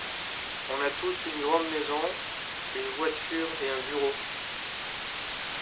On a tous une grande maison, une voiture et un bureau.